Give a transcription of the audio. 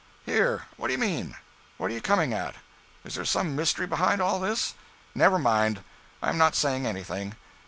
"Here—what do you mean? What are you coming at? Is there some mystery behind all this?" "Never mind. I am not saying anything.